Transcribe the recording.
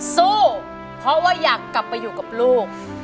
สู้เพราะว่าอยากกลับไปอยู่กับลูก